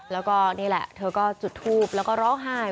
แล้วก็นี่แหละเธอก็จุดทูบแล้วก็ร้องไห้